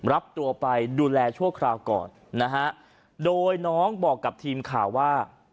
รับตัวไปดูแลชั่วคราวก่อนนะฮะโดยน้องบอกกับทีมข่าวว่า